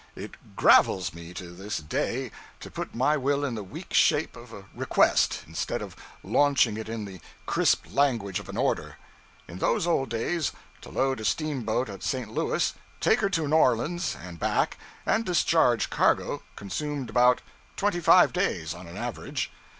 It 'gravels' me, to this day, to put my will in the weak shape of a request, instead of launching it in the crisp language of an order. In those old days, to load a steamboat at St. Louis, take her to New Orleans and back, and discharge cargo, consumed about twenty five days, on an average.